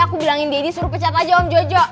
aku bilangin daddy suruh pecat aja om jojo